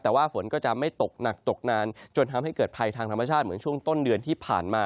แต่ว่าฝนก็จะไม่ตกหนักตกนานจนทำให้เกิดภัยทางธรรมชาติเหมือนช่วงต้นเดือนที่ผ่านมา